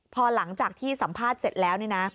พอหลังจากที่สัมภาษณ์เสร็จแล้วเนี่ยนะ